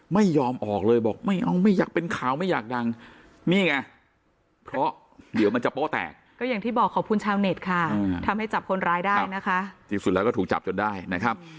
ไม่ยอมออกเลยบอกไม่เอาไม่อยากเป็นข่าวไม่อยากดั้ง